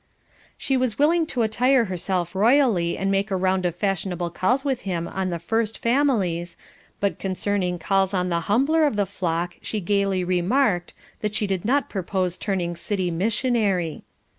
She was willing to attire herself royally and make a round of fashionable calls with him on the first families, but concerning calls on the humbler of the flock she gaily remarked, that she did not purpose turning city missionary.